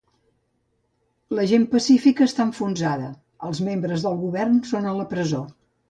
La gent pacífica està enfonsada, els membres del govern són a la presó.